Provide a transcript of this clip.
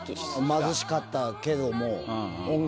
貧しかったけども。